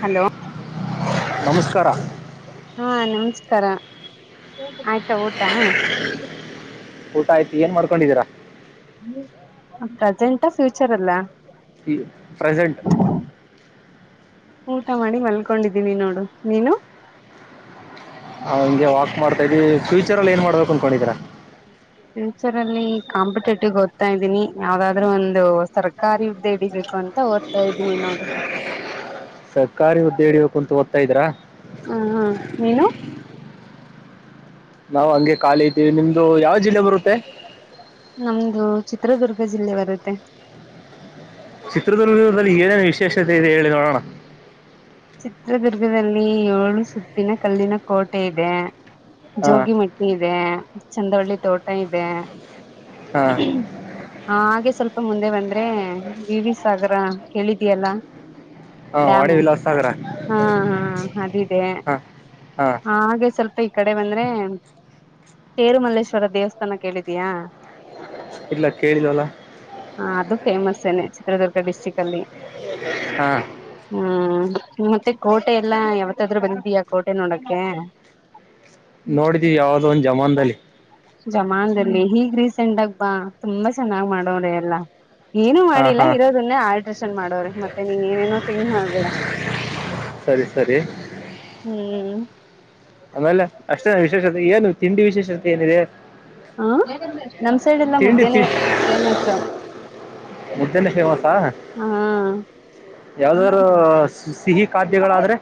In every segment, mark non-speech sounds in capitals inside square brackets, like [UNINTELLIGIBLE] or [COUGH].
Hello ನಮಸ್ಕಾರ ಹಾ ನಮಸ್ಕಾರ ಆಯ್ತಾ ಊಟ ಊಟ ಆಯ್ತತಿ ಏನ್ ಮಾಡ್ಕೊಂಡಿದ್ದೀರಾ ಪ್ರೆಸೆಂಟ ಫ್ಯೂಚರ್ ಅಲ್ಲ ಈ ಪ್ರೆಸೆಂಟ್ ಊಟ ಮಾಡಿ ಮಲ್ಕೊಂಡಿದ್ದೀನಿ ನೋಡು ನೀನು ಹಾ ಹಗೆ ವಾಕ್ ಮಾಡ್ತಾ ಇದ್ದೀವಿ ಫ್ಯೂಚರಲ್ಲಿ ಏನು ಮಾಡ್ಬೇಕು ಅನ್ಕೊಂಡಿದ್ದೀರಾ ಪಿಯೂಚರಅಲ್ಲಿ ಕಾಂಪಿಟೇಟಿವ್ ಓದ್ತಾ ಇದ್ದೀನಿ ಯಾವವುದಾದ್ರರು ಒಂದು ಸರ್ಕಾರಿ ಹುದ್ದೆ ಹಿಡಿಬೇಕು ಅಂತ ರ್ತಾ ಇದ್ದೀನಿ ನೋಡ ಸರ್ಕಾರಿ ಉದ್ದೆ ಹಿಡಿಬೇಕು ಅಂತ ಓದ್ತಾ ಇದ್ರಾ ಹ ಹಾ ನೀನು ನಾವು ಹಂಗೆ ಖಾಲಿ ಇದ್ದೀವಿ ನಿಮ್ದು ಯಾವ ಜಿಲ್ಲೆ ಬರುತ್ತೆ ನಮಂದು ಚಿತ್ರದುರ್ಗ ಜಿಲ್ಲೆ ಬರುತ್ತೆ ಚಿತ್ರದುರ್ಗದಲ್ಲಿ ಏನೇನು ವಿಶೇಷತೆ ಇದೆ ಹೇಳಿ ನೋಡೋಣ ಚಿತ್ರದುರ್ಗದಲ್ಲಿ ಏಳು ಸುತ್ತಿನ ಕಲ್ಲಿನ ಕೋಟೆ ಇದೆ ಹಾ ಜೋಗಿಮಟ್ಟಿ ಇದೆ ಚಂದವಳ್ಳಿ ತೋಟ ಇದೆ ಹಾ [INAUDIBLE] ಹಾ ಹಾಗೆ ಸ್ವಲ್ಪ ಮುಂದೆ ಬಂದ್ರೆ ವಿವಿ ಸಾಗರ ಕೇಳಿದಿಯಲ್ಲ ಹಾ ವಾಡೆ ಡ್ಯಾಮು ವಿಲಾಸ ಹಾ ಹಾ ಅದಿದೆ ಹಾ ಹಾ ಹಾಗೆ ಸ್ವಲ್ಪ ಈ ಕಡೆ ಬಂದ್ರೆ ತೇರುಮಲ್ಲೇಶ್ವರ ದೇವಸ್ಥಾನ ಕೇಳಿದೀಯಾ ಇಲ ಕೇಳಿಲ್ವಾ ಅಲ್ಲ ಹ ಅದು ಫೇಮಸ್ ಏನೆ ಚಿತ್ರದುರ್ಗ ಡಿಸ್ಟ್ರಿಕ್ ಅಲ್ಲಿ ಹಾ ಹ್ಮ್ ಮತ್ತೆ ಕೋಟೆ ಎಲ್ಲಾ ಯಾವತ್ತಾದ್ರು ಬಂದಿದ್ದೀಯಾ ಕೋಟೆ ನೋಡಕ್ಕೆ ನೋಡಿದೀವಿ ಯಾವ್ದೋ ಒಂದ್ ಜಮಾನದಲ್ಲಿ ಜಮಾಾನದಲ್ಲಿ ಹೀಗ್ ರೀಸೆಂಟ್ಗ ಬಾ ತುಂಬಾ ಚೆನ್ನಾಗ್ ಮಾಡೋರೆ ಎಲ್ಲಾ ಏನು ಹಾ ಮಾಡಿಲ್ಲ ಹಾ ಇರೋದನ್ನೇ ಆಲ್ಟ್ರೇಷನ್ ಮಾಡೋರೆ ಮತ್ತೆ ನೀನ್ ಏನೇನೋ ತಿಂಗ್ ಮಾಡ್ಬೇಡ ಸರಿ ಸರಿ ಹ್ಮ್ ಆಮೆಲೆ ಅಷ್ಟೇ ವಿಶೇಷತೆ ಏನು ತಿಂಡಿ ವಿಶೇಷತೆ ಏನಿದೆ ಹಾ ನಮ್ ಸೈಡ್ ಎಲ್ಲ ತಿಂಡಿ ಮುದ್ದೆನೆೇ ತಿ ಫೇಮಸ್ ಮುದ್ದೆನೇ ಹ್ಮ ಯಾವ್ದಾರ ಸಿಹಿ ಖಾದ್ಯಗಳಾದ್ರೆ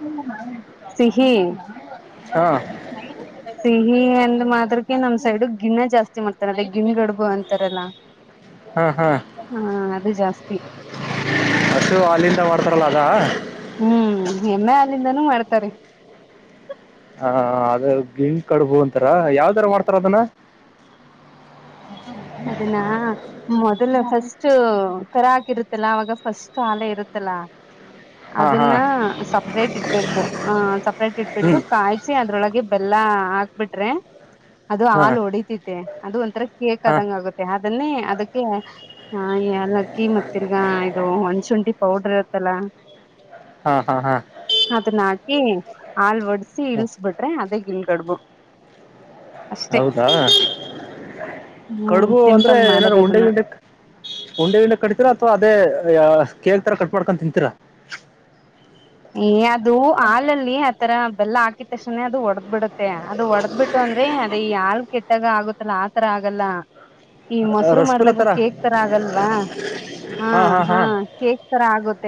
ಸಿಹಿ ಹಾ ಸಿಹಿ ಈ ಎಂದ್ ಮಾತ್ರಕ್ಕೆ ನಮ್ ಸೈಡ್ ಗಿಣ ಜಾಸ್ತಿ ಮಾಡ್ತಾರ ಅದೇ ಗಿಣ್ ಗಡ್ಬು ಅಂತಾರಲ್ಲ ಹಾ ಹಾ ಹಾ ಅದು ಜಾಸ್ತಿ ಅಷ್ಟು ಅಲಂತ ಮಾಡ್ತಾರಲ್ಲಗ ಹ್ಮ್ ಹೆಮ್ಮೆ ಅಲಿಂದನೂ ಮಾಡ್ತಾರೆ ಹಾ ಅದ ಗಿಣ್ ಕಡುಬು ಅಂತಾರ ಯಾವ್ದರ ಮಾಡ್ತಾರ ಅದನ್ನ ಅದನ್ನ ಮೊದಲು ಫಸ್ಟ್ ಕರ ಆಗಿರುತ್ತಲ್ಲ ಅವಾಗ ಫಸ್ಟ್ ಶಾಲೆ ಇರುತ್ತಲಾ ಹಾ ಹಾ ಅದನ್ನ ಸಪ್ರೇಟ್ ಇಡ್ಬೇಕು ಆ ಸಪ್ರೇಟ್ ಇಟ್ಬಿಟ್ಟು ಹ್ಮ್ ಕಾಯಿಸಿ ಅದ್ರೊಳಗೆ ಬೆಲ್ಲ ಹಾಕ್ಬಿಟ್ರೆ ಅದು ಹಾ ಹಾಲ್ ಹೊಡಿತತೆ ಅದು ಒಂಥರ ಹಾ ಕೇಕ್ದಂಗ ಆಗುತ್ತೆ ಅದನ್ನೇ ಅದಕ್ಕೆ ಅಲಕ್ಕಿ ಮತ್ತಿರ್ಗಾ ಇದು ಒಣ್ಸು ಡಿ ಪೌಡರ್ ಇರುತ್ತಲ್ಲಾ ಹಾ ಹಾ ಹಾ ಅದನ್ನಾಕಿ ಹಾಲ್ ಒಡ್ಸಿ ಹ್ಮ್. ಇಳ್ಸ್ ಬಿಟ್ರೆ ಅದೇಗ್ ಇಳ್ಗಡ್ಬು ಹೌದಾ ಹ್ಮ್ ಕಡುಬು ಅಂದ್ರೆ ಸಿಂಪಲ್ ಮಾಡದ್ ಏನಾದಾರರು ಉಂಡೆ ಅದನ್ನ ಗಿಂಡೆ ಉಂಡೆ ಗಿಂಡೆ ಕಟ್ತೀರಾ ಅಥವಾ ಅದೇ ಕೇಗ್ ತರ ಕಟ್ ಮಾಡಾಡ್ಕೊಂಡ ತಿಂತೀರಾ ಈ ಅದು ಹಾಲಲ್ಲಿ ಆತರ ಬೆಲ್ಲ ಹಾಕಿದ ತಕ್ಷಣೇ ಅದು ಒಡದ್ ಬಿಡುತ್ತೆ ಅದು ಒಡದ್ ಬಿಟ್ಟು ಅಂದ್ರೆ ಅದೇ ಯಾ ಕೆಟ್ಟಾಗ ಆಗುತ್ತಲ್ಲ ಆತರ ಆಗಲ್ಲ ಈ ಆ, ಮೊಸರು ರಸಗುಲ್ಲ ಮಾಡ್ದಾಗ ಕೇಕ್ ತರ ಆಗಲ್ವಾ ಹಾ ಹಾ ಕೇಕ್ ತರ ಆಗದು ಮತ್ತ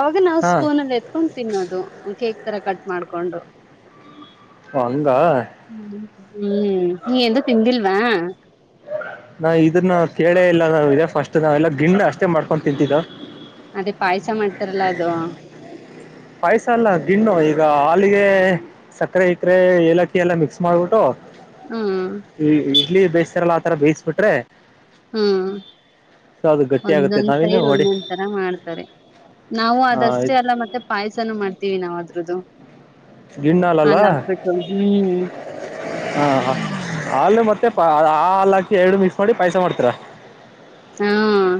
ಅವಾಗ ನಾವ್ ಹಾ ಸ್ಪೂನ್ ಅಲ್ಲಿ ಎತ್ಕೊಂಡ್ ತಿನ್ನೋದು ಕೇಕ್ ತರ ಕಟ್ ಮಾಡ್ಕೊಂಡು ಅಂಗ ಹ್ಮ್ ಹ್ಮ್ ನೀ ಎಂದು ತಿಂದಿಲ್ವಾ ನಾ ಇದನ್ನ ನ ಕೇಳೇ ಇಲ್ಲ ನಾವ ಇದೆ ಫಸ್ಟ್ ನಾವೆಲ್ಲ ಗಿಂನ ಅಷ್ಟೇ ಮಾಡ್ಕೊಂಡು ತಿಂತಿದ್ದ ಅದೇ ಪಾಯಸ ಮಾಡ್ತಾರಲ್ಲ ಅದು ಪಾಯಸ ಅಲ್ಲ ದಿನ್ನು ಈಗ ಹಾಲಿಗೆ ಸಕ್ಕರೆ ಇಕರೆ ಏಲಕ್ಕಿ ಎಲ್ಲ ಮಿಕ್ಸ್ ಮಾಡ್ಬಿಟ್ಟು ಹ್ಮ್ ಈ ಇಡ್ಲಿ ಬೇತರಲ್ಲ ಆತರ ಬೇಸ್ ಬಿಟ್ರೆ ಹ್ಮ ಅದು ಗಟ್ಟಿ ಆಗುತ್ತೆ ಒಂದೊಂದ್ ನಾವೇನು ಸೈಡ್ ನೋಡಿ ಒಂದೊಂದ್ ತರ ಮಾಡ್ತಾರೆ ನಾವು ಅದಷ್ಟೇ ಅಲ್ಲ ಮತ್ತೆ ಪಾಯಸನ ಮಾಡ್ತೀವಿ ನಾವದ್ರದ್ದು ಗಿಣ್ಣಾಲಲ್ಲ ಹ್ಮ್ ಹಾ ಹ ಹಾಲು ಮತ್ತೆ ಆ ಹಾಲಾ ಎರಡು ಮಿಸಕ್ಸ್ ಮಾಡಿ ಪಾಯಸ ಮಾಡ್ತರಾ ಹಾ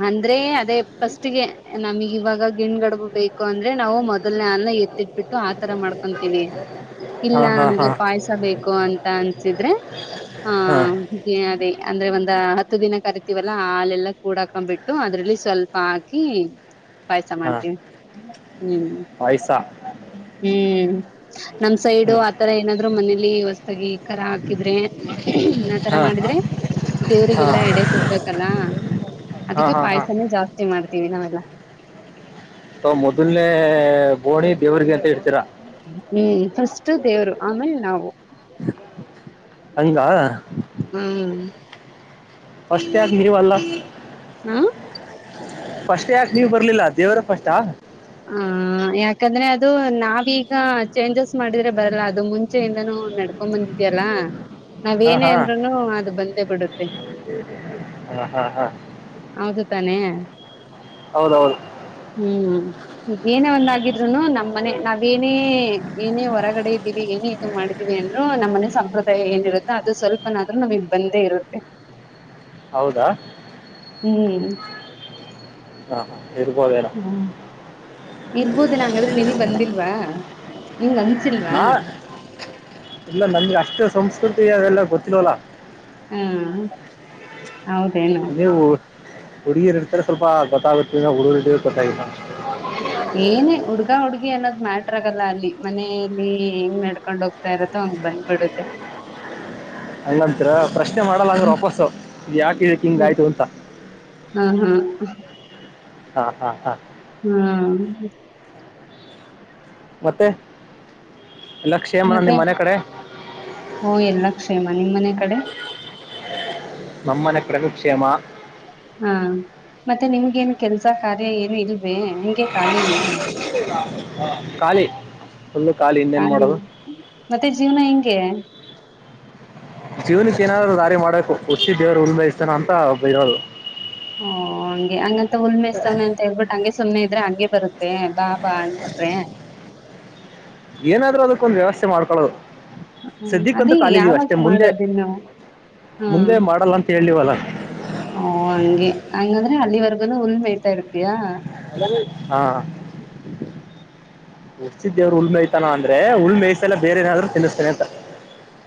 ಅಂದ್ರೆ ಅದೇ ಫಸ್ಟ್ಗೆ ನಮಗ್ ಇವಾಗ ಗಿಣ್ ಗಡ್ಬ ಬೇಕು ಅಂದ್ರೆ ನಾವು ಮೊದಲ್ನೇ ಅ ಎತ್ತಿಟ್ಬಿಟ್ಟು ಆತರ ಮಾಡ್ಕೊಂತೀವಿ ಇಲ್ಲ ಹಾಂ ಹಾಂ ನಮ್ಗೆ ಹಾಂ ಪಾಯಸ ಬೇಕು ಅಂತ ಅನ್ಸಿದ್ರೆ ಹಾ ಹಾಂ ಅದೇ ಅಂದ್ರೆ ಒಂದ ಹತ್ತು ದಿನ ಕರಿತೀವಲ್ಲಾ ಹಾಲೆಲ್ಲ ಕೂಡಾಕೊಂಡ್ಬಿಟ್ಟು ಅದ್ರಲ್ಲಿ ಸ್ವಲ್ಪ ಹಾಕಿ ಪಾಯಸ ಮಾಡ್ತೀವಿ ಹ್ಮ್ ಪಾಯ್ಸ ಹ್ಮ್ ನಮ್ ಸೈಡು ಆತರ ಏನಾದ್ರು ಮನೇಲಿ ಹೊಸತಾಗಿ ಖರ ಹಾಕಿದ್ರೆ ಆತರ ಹಾಂ ಮಾಡಿದ್ರೆ ಹಾಂ ದೇವ್ರಿಗೆಲ್ಲಾ ಎಡೆ ಕೊಡ್ಬೇಕಲ್ಲ ಹಾಂ ಅದಕ್ಕೆ ಹಾಂ ಹಾಂ ಪಾಯ್ಸನೇ ಜಾಸ್ತಿ ಮಾಡ್ತೀವಿ ನಾವೆಲ್ಲ ಓ ಮೊದಲ್ನೇ ಬೋಣಿ ದೇವ್ರಿಗೆ ಅಂತ ಹೇತಿ ಹ್ಮ್ ಫಸ್ಟ್ ದೇವರು ಆಮೇಲ್ ನಾವು ಹಂಗ ಹ್ಮ್ ಫಸ್ಟ್ ನೀವಲ್ಲ ಹಾ ಫಸ್ಟ್ ಯಾಕೆ ನೀವ್ ಬರ್ಲಿಲ್ಲ ದೇವರ ಫಸ್ಹ ಹ್ಮ್ ಯಾಕಂದ್ರೆ ಅದು ನಾವೀಗ ಚೇಂಜಸ್ ಮಾಡಿದ್ರೆ ಬರಲ್ಲ ಅದು ಮುಂಚೆಯಿಂದನೂ ನಡ್ಕೊಂಡ್ ಬಂದಿದೇ ಲ್ಲ ಹಾಂ ನಾವೇನೇ ಹಾಂ ಅಂದ್ರೂನು ಅದು ಬಂದೇ ಬಿಡುತ್ತೆ ಹಾ ಹಾ ಹಾ ಹೌದು ತಾನೆ ಹ್ಮ್ ಈಗ ಏನೆೇ ಒಂದಾಗಿದ್ರುನು ನಮ್ಮ್ ಮನೆ ನಾವ್ ಏನೇ ಏನೇ ಹೊರಗಡೆ ಇದ್ದೀವಿ ಇದು ಮಾಡಿದೀವಿ ಅಂದ್ರು ನಮ್ಮನೆ ಸಂಪ್ರದಾಯ ಏನಿರುತ್ತೆ ಅದು ಸ್ವಲ್ಪನಾದ್ೂ ನಮಗ್ ಬಂದೇ ಇರುತ್ತೆ ಹೌದಾ ಹ್ಮ್ ಹಾಂ ಹಾಂ ಇರ್ಬೋದೇನೋ ಹ್ಮ್ ಇರ್ಬೋದು ನಂಗಾದ್ರೆ ನಿನಗ್ ಬಂದಿಲ್ವಾ ನಿಂಗ್ ಅನ್ಸಿಲ್ವಾ ನಾ ಇಲ್ಲ ನಮಗೆ ಅಷ್ಟೇ ಸಂಸ್ಕೃತಿ ಅದೆಲ್ಲ ಗೊತ್ತಿಿಲ್ಲವಲ್ಲ ಹ್ಮ್ ನೀವು ಹುಡುಗಿರಿ ಇಡ್ತ್ರ ಸ್ವಲ್ಪ ಗೊತ್ತಾಗುತ್ತೆ ಹುಡುಗರು ಗೊತ್ತಾಗಿಲ್ಲ ಏನೆ ಹುಡ್ಗಾ ಹುಡ್ಗಿ ಏನಾದ್ ಮ್ಯಾಟ್ರ ಆಗಲ್ಲ ಅಲ್ಲಿ ಮನೇಯಲ್ಲಿ ಹೆಂಗ್ ನಡ್ಕೊಂಡ್ ಹೋಗ್ತಾ ಇರತ್ತೋ ಹಂಗ್ ಬಂದ್ಬಿಡುತ್ತೆ. ಹಂಗಂತೀರಾ ಪ್ರಶ್ನೆ ಮಾಡಲ್ಲ ಅಂದ್ರೆ ವಾಪಸ್ಸು ಯಾಕ್ ಇದಕ್ ಹಿಂಗ ಆಯ್ತು ಅಂತ. ಹಾ ಹಾ ಹಾ ಹಾ ಹಾ ಹ್ಮ್ ಮತ್ತೆ ಎಲ್ಲ ಕ್ಷೇಮನ ಮತ್ತೆ ನಿಮ್ಮ್ ಮನೆ ಕಡೆ ಓ ಎಲ್ಲಾ ಕ್ಷೇಮ ನಿಮ್ ಮನೆ ಕಡೆ ನಮ್ಮನೆ ಕಡೆನೂ ಕ್ಷೇಮ ಹಾ ಮತ್ತೆ ನಿಮ್ಗೇನ್ ಕೆಲ್ಸ ಕಾರ್ಯ ಏನು ಇಲ್ವೇ ಹಿಂಗೆ ಕಾಲಿನೆ ಖಾಲಿ ಫುಲ್ಲು ಖಾಲಿ ಇನ್ನೇನ್ ಹಾಗೆ ಮಾಡೋದು ಮತ್ತೆ ಜೀವನ ಹೆಂಗೆ ಜೀವನಕ್ಕ ಏನಾದ್ರೂ ದಾರಿ ಮಾಡಬೇಕು ಹುಟ್ಸಿದ ದೇವ್ರ ಹುಲ್ಲ ಮೇಯಸ್ತಾನ ಅಂತ ಒಬ್ಬರ್ ಹೇಳೋರು. ಓ ಹಂಗೆ ಹಂಗಂತ ಹುಲ್ಮೆಸ್ತವ್ನೆ ಅಂತ ಹೇಳ್ಬಿಟ್ಟ ಹಂಗೆ ಸುಮ್ನೆ ಇದ್ರೆ ಹಂಗೆ ಬರುತ್ತೆ ಬಾಬಾ ಅಂದಬಿಟ್ರೆ. ಏನಾದ್ರೂ ಅದಕ್ಕೊಂದು ವ್ಯವಸ್ಥೆ ಮಾಡ್ಕೊಳದು. ಹ್ಮ್ ಅದೇ ಯಾವಾಗ್ ಮಾಡೋದಿನ್ನು. ಹ್ಮ ಮುಂದೆ ಮಾಡಲ್ಲ ಅಂತ ಹೇಳಿವಲ್ಲ ಓ ಹಂಗೆ. ಹಂಗಂದ್ರೆ ಅಲ್ಲಿವರ್ಗನು ಹುಲ್ ಮೇಯತಾ ಇರ್ತಿಯಾ. ಹಾ. ಹುಟ್ಟಸಿದ್ ದೇವ್ರ ಹುಲ್ಲ ಮೇಯ್ತಾನ ಅಂದ್ರೆ ಹುಲ್ಲ ಮೆಯ್ಸಲ್ಲ ಬೇರೆ ಏನಾದ್ರು ತಿನ್ನಸ್ತಾನೆ ಅಂತ.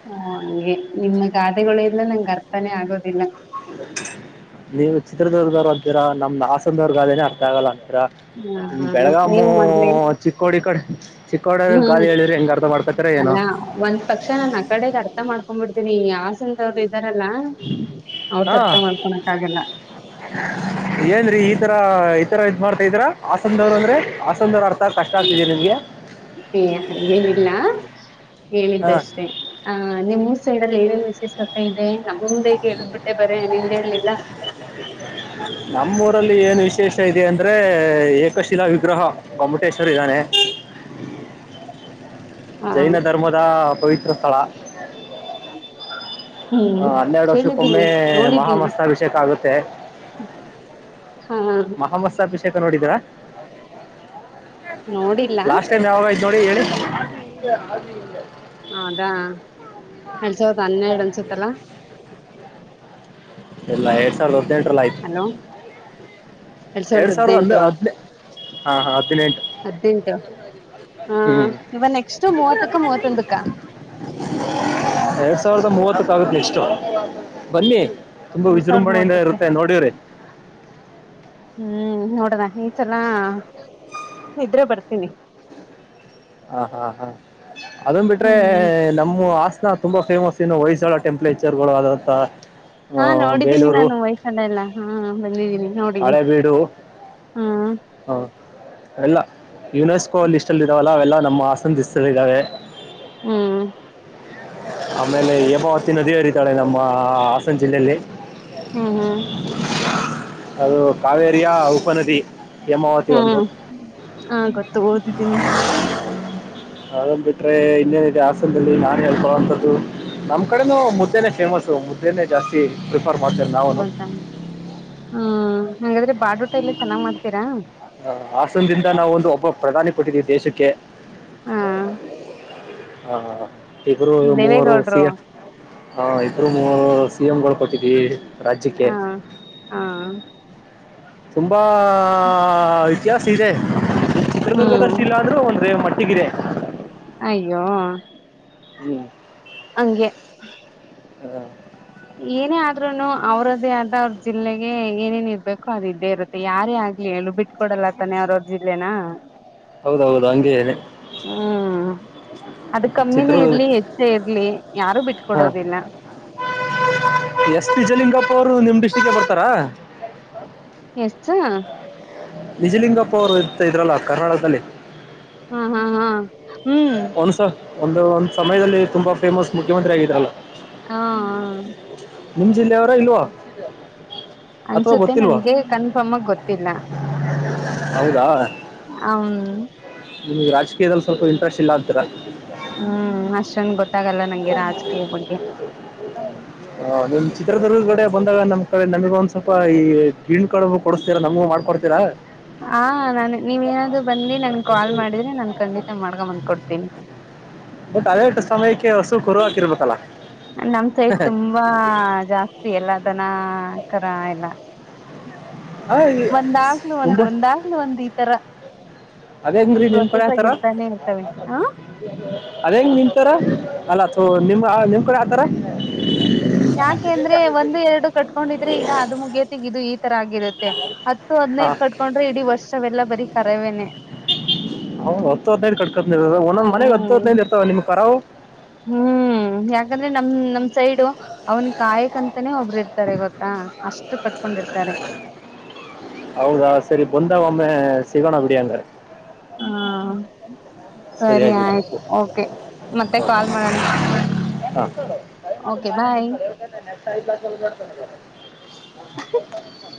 ಹಾ ಹಂಗೆ ನಿಮ್ಮ ಗಾದೆಗಳು ಎಲ್ಲ ನಂಗ ಅರ್ಥಾನೆ ಆಗೋದಿಲ್ಲ. ನೀವು ಚಿತ್ರದುರ್ಗ ದವ್ರ ಅಂತಿರಾ ನಮ್ದ ಹಾಸನ ದವ್ರ ಗಾದೆನೆ ಅರ್ಥ ಆಗಲ್ಲ. ರಾ ಇನ್ನ ಹ್ಮ್ ಬೆಳಗಾಮು ನೀವು ಮೊದ್ಲೇ ಚಿಕ್ಕೋಡಿ ಕಡೆ ಚಿಕ್ಕೋಡಿ ಹ್ಮ್ ಗಾದೆ ಹೇಳಿದ್ರೆ ಹೆಂಗ್ ಅರ್ಥ ಮಾಡ್ಕೊತೀರ ಏನೋ ಅಲ್ಲಾ ಒಂದ್ ಪಕ್ಷ ನನ್ ಆ ಕಡೆದ ಅರ್ತ ತ ಮಾಡ್ಕೊ ಬಿಡ್ತೀನಿ ಹಾಸನ ದವ್ರ ಇದಾರಲ್ಲಾ ಅವ್ರದ ಹಾ ಅರ್ಥ ಮಾಡ್ಕೊಳಕ್ ಆಗಲ್ಲ. ಏನ್ರಿ ಈ ತರ ಈ ತರ ಇದ್ ಮಾಡ್ತಾ ಇದೀರಾ ಹಾಸನ ದವ್ರ ಅಂದ್ರೆ ಹಾಸನ ದವ್ರ ಅರ್ತ ಸರ್ ಕಷ್ಟ ಆಗ್ತಿದೆಯಾ ನಿಮ್ಗೆ. ಏ ಹಂಗೆನಿಲ್ಲ ಹಾ ಹೇಳಿದ್ದಷ್ಟೇ ಆ ನಿಮ್ಮ್ ಊರ್ ಸೈಡ್ ಅಲ್ಲಿ ಏನೇನ ವಿಶೇಷತೆ ಇದೆ ನಮ್ಮ ಮುಂದೆ ಕೇಳದ್ಬಿಟ್ಟೆ ಬರೇ ನಿಂದ ಹೇಳಿಲ್ಲಾ. [UNINTELLIGIBLE] ನಮ್ಮೂರಲ್ಲಿ ಏನು ವಿಶೇಷ ಇದೆ ಅಂದ್ರೆ ಏಕಶಿಲಾ ವಿಗ್ರಹ ಗೊಮ್ಮಟೇಶ್ವರ ಇದಾನೆ. ಆ ಜೈನ ಧರ್ಮದ ಪವಿತ್ರ ಸ್ಥಳ. [UNINTELLIGIBLE] ಆ, ಹ್ಮ್ ಹನ್ನೆರಡು ವರ್ಷಕ್ಕೊಮ್ಮೆ ಕೇಳಿದ್ದೀನೀ ನೋಡಿದ್ದೀನೀ. ಮಹಾಮಸ್ತಾಭಿಷೇಕ ಆಗುತ್ತೆ ಹಾ [UNINTELLIGIBLE] ನೋಡಿದೀರಾ. ನೋಡಿಲ್ಲ ಲಾಸ್ಟ್ ಟೈಮ್ ಯಾವಾಗ ಆಯ್ತ್ ನೋಡಿ ಹೇಳಿ. ಹ ಅದಾ. ಎಡ್ ಸವ್ರದ ಹನ್ನೆರಡ ಅನ್ಸುತ್ತಲ್ಲಾ. ಇಲ್ಲ ಎರಡ್ ಸಾವಿರದ ಹದಿನೆಂಟರಲ್ಲಿ ಆಯ್ತು ಹಲೋ ಎರಡ್ ಸಾವಿರದ ಹ ಹದನೇ ಹಾ ಹಾ ಹದಿನೆಂಟು ಹದ್ನೆಂಟು. ಹಾ ಹ್ಮ್ ಇವ ನೆಕ್ಸ್ಟ್ ಮೂವತ್ತಕ್ಕ ಮೂವತ್ತೊಂದಕ್ಕ. ಎರಡ್ ಸಾವಿರದ ಮೂವತ್ತಕ್ಕ ಆಗತ್ ನೆಕ್ಸ್ಟು ಬನ್ನಿ. ತುಂಬಾ ಎರಡ್ ಸಾವಿರದ ವಿಜೃಂಭಣೆಯಿಂದ ಮೂವತ್ತಕ್ಕೆ ಇರುತ್ತೆ ನೋಡಿವ್ರಿ. ಹ್ಮ್ ನೋಡೋಣ ಈ ಚಲ ಇದ್ರೆ ಬರ್ತೀನಿ. ಹ ಹಾ ಹಾ ಅದನ್ ಬಿಟ್ರೆ ಹ್ಮ್ ನಮ್ಮು ಹಾಸನ್ ನಾ ತುಂಬಾ ಫೇಮಸ್ ಇನ್ನು ಹೊಯ್ಸಳ ಟೆಂಪ್ಲೇಚರ್ಗಳು ಅದಂತ ಹಾ ನೋಡಿದ್ದೀನಿ ನಾನು ಹೊಯ್ಸಲ್ಲ ಎಲ್ಲಾ ಹಾ ಬಂದಿದ್ದೀನಿ. ನೋಡಿ ಹಳೆಬೀಡು ಹ್ಮ್. ಹಾ ಎಲ್ಲ ಯುನೆಸ್ಕೋ ಲಿಸ್ಟಲ್ಲಿ ಇದಾವಲ್ಲ ಅವೆಲ್ಲ ನಮ್ಮ ಹಾಸನ್ದ ಹೆಸರಲ್ಲಿ ಇದ್ದಾವೆ. ಹ್ಮ್ ಆಮೇಲೆ ಹೇಮಾವತಿ ನದಿಯ ಹರಿತಾಳೆ ನಮ್ಮ ಹಾಸನ ಜಿಲ್ಲೆಯಲ್ಲಿ ಹ್ಮ್ ಹ್ಮ್ ಯಾ ಉಪನದಿ. ಹೇಮಾವತಿ ಒಂದು ಹ್ಮ್ ಹಾ ಗೊತ್ತು ಓದಿದ್ದೀನಿ. ಅದನ್ ಬಿಟ್ರೆ ಇನ್ನೇನಿದೆ ಹಾಸನದಲ್ಲಿ ನಾನ ಹೇಳ್ಕೊಳ್ಳೋ ಹಂತದ್ದು. ನಮ್ಮ ಕಡೇನು ಮುದ್ದೆನೆ ಫೇಮಸ್ ಮುದ್ದೆ ನೆ ಜಾಸ್ತಿ ಪ್ರಿಫರ್ ಮಾಡ್ತೇನ ನಾವುನೂ. ಹೌದಾ ಹ್ಮ್ ಹಂಗಾದ್ರೆ ಬಾಡೂಟ ಎಲ್ಲ ಚೆನ್ನಾಗ್ ಹ್ಮ್ ಮಾಡ್ತೀರಾ ಹಾಸನದಿಂದ ನಾವ ಒಂದು ಒಬ್ಬ ಪ್ರಧಾನಿ ಕೊಟ್ಟಿದೀವಿ ದೇಶಕ್ಕೆ. ಹಾ ಹಾ ಹಾ ಹಾ ಇಬ್ರೂ ಮೂವರು ಸಿ ದೇವೇಗೌಡ್ರು ಎಫ್ ಆಇಬ್ರು ಮೂವರು ಸಿಎಂಗಳು ಕೊಟ್ಟಿದ್ವಿ ಹಾ ಹಾ ತುಂಬ ಆಆಆಅ ಇತಿಹಾಸ ಇದೆ ಹ್ಮ್ ಚಿತ್ರದುರ್ಗದಷ್ಟ ಇಲ್ಲ ಅಂದ್ರೂ ಒಂದು ಮಟ್ಟಿಗಿದೆ ಅಯ್ಯೋ ಹ್ಮ್ ಹಂಗೆ ಹ ಏನೇ ಆದ್ರೂನು ಅವ್ರದೇ ಆದ ಅವ್ರ ಜಿಲ್ಲೆಗೆ ಏನೇನ್ ಇರ್ಬೇಕು ಅದು ಇದ್ದೇ ಇರುತ್ತೆ ಯಾರೇ ಆ ಹೇಳು ಬಿಟ್ಕ ಕೊಡಲ್ಲ ತಾನೆ ಅವ್ರ ಅವ್ರ ಜಿಲ್ಲೆನ ಹೌದೌದು ಹಂಗೆ ಇದೆ ಹ್ಮ್ ಅದು ಕಮ್ಮಿನೇ ಚಿತ್ರದುರ್ಗ ಇರ್ಲಿ ಹೆಚ್ಚೇ ಇರ್ಲಿ ಯಾರು ಹಾ ಬಿಟ್ಕೊಡೋದಿಲ್ಲ ಎಸ್ ನಿಜಲಿಂಗಪ್ಪ ಅವರು ನಿಮ್ಮ ಡಿಸ್ಟ್ರಿಕ್ಗೆ ಬರ್ತಾರಾ ಎಸ್ ನಿಜಲಿಂಗಪ್ಪ ಅವ್ರು ಇರ್ತ ಇದ್ರಲ್ಲ ಕರ್ನಾಟಕದಲ್ಲಿ ಹಾ ಹಾ ಹಾ ಹ್ಮ್ ಒಂದಸ ಒಂದು ಒಂದ್ ಸಮಯದಲ್ಲಿ ತುಂಬಾ ಫೇಮಸ್ ಮುಖ್ಯಮಂತ್ರಿ ಆಗಿದ್ರಲ್ಲ ಹಾ ನಿಮ್ ಜಿಲ್ಲೆಯವರ ಇಲ್ವಾ ಅಥವಾ ಅನ್ಸುತ್ತೆ ಗೊತ್ತಿಲ್ವಾ ನಂಗೆ ಕನ್ಫರ್ಮ್ ಆಗ ಗೊತ್ತಿಲ್ಲ ಹೌದಾ ಹ್ ನಿಮ್ಗ್ ರಾಜಕೀಯದಲ್ಲಿ ಸ್ವಲ್ಪ ಇಂಟ್ರೆಸ್ಟ್ ಇಲ್ಲ ಅಂತಿರ ಹ್ಮ್ ಅಷ್ಟೊಂದ್ ಗೊತ್ ಹ ನಿಮ್ಮ ಚಿತ್ರದುರ್ಗದ ಕಡೆ ಬಂದಾಗ ನಮ್ ಕಡೆ ನಮಗ ಒಂದ ಸ್ವಲ್ಪ ಈ ಗ್ಗಿಣ ಕಡುಬು ಕೊಡಿಸಸ್ತೀರಾ ನಮ್ಗು ಮಾಡ್ಕಡ್ತೀರಾ ಹಾ ನಾನನ್ ನೀವೇಏನಾದ್ರು ಬಂದಿ ನನ್ ಕಾಲ್ ಮಾಡಿದ್ರೆ ನಾನನ್ ಖಂಡಿತ ಮಾಡ್ಗ ಬಂದ್ಕ ಕೊಡ್ತೀನಿ ಬಟ್ ಅದೇಷ್ಟು ಸಮಯಕ್ಕೆ ಹಸು ಕರು ಹಾಕಿರ್ಬೇಕಲ್ಲಾ ನಮ್ ಸೈಡ್ ತುಂಬಾ ಜಾಸ್ತಿ ಎಲ್ಲದನ ಕರ ಎಲ್ಲ ಆ, ಈ- ಒಂದಾಗ್ಲುೂ ಒಂದು ತುಂಬಾ ಒಂದಾಗ್ಲು ಒಂದು ಎ ತರ ಅದೇ ಹೆಂಗ್ರಿ ನಿಮ್ ಕಡೆ ಪ್ರೊಸೆಸ್ ಆಗಿರ್ತಾನೆ ಇರ್ತವೆ ಹ ಅದ ಹೆಂಗ್ ನಿಂತಾರ ಅಲ್ಲ ತು ನಿಮ್ಮ ನಿಮ್ ಕಡೆ ಹತಾರ ಯಾಕೆಂದ್ರೆ ಒಂದು ಎರಡು ಕಟ್ಕೊಂಡಿದ್ರೆ ಈಗ ಅದು ಮುಗಯೋತ್ತಿ ಇದು ಈ ತರ ಆಗಿರುತ್ತೆ ಹತ್ತು ಹಾ ಹದ್ನೈದು ಕಟ್ಕೊಂಡ್ರೆ ಇಡೀ ವರ್ಷವೆಲ್ಲ ಬರೀ ಕರಾವೇನನೆ ಹ್ ಹತ್ತು ಹದನೈದು ಕಡ್ಕ ಒಂದೊಂದ ಮನೆಗ್ ಹತ್ತು ಹ್ಮ್ ಹದ್ೈ್ ಇರ್ತಾವ ನಿಮ್ ಕರಾವು ಹ್ಮ್ ಯಾಕಂದ್ರೆ ನಮ ನಮ್ ಸೈಡು ಅವ್ನ್ ಕಾಯಕ್ಂತ ತ್ತನೇ ಒಬ್ಬರು ಇರ್ತಾರೆ ಗೊತ್ತಾ ಅಷ್ಟು ಕಟ್ಕೊಂಡಿರ್ತಾರೆ ಹೌದಾ ಸರಿ ಬಂದಾಗ ಒಮ್ಮೆ ಸಿಗೋಣ ಬಿಡಿ ಹಂಗಾದ್ರೆ ಹಾ ಸರಿ ಆಯ್ತು ಓಕೆ ಮತ್ತೆ ಕಾಲ್ ಮಾಡೋಣ ಹಾ. ಓಕೆ ಬಾಯ್ ಹ